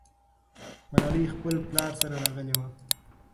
ملالۍ خپل پلار سره راغلې وه.